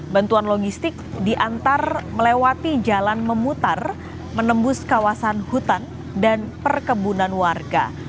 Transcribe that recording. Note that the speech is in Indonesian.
bantuan logistik diantar melewati jalan memutar menembus kawasan hutan dan perkebunan warga